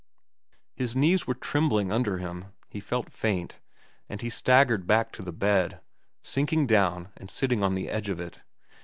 His knees were trembling under him, he felt faint, and he staggered back to the bed, sinking down and sitting on the edge of it.